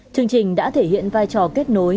chương trình đã thể hiện vai trò kết nối